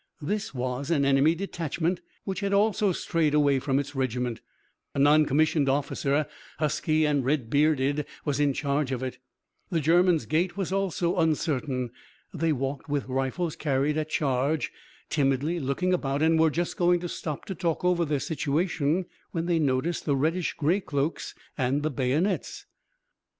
This was an enemy detachment which had also strayed away from its regiment. A non commissioned officer, husky and red bearded, was in charge of it. The Germans' gait was also uncertain. They walked with rifles carried at charge, timidly looking about and were just going to stop to talk over their situation, when they noticed the reddish grey cloaks and the bayonets.